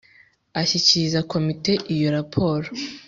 ashyikiriza Komite iyo raporo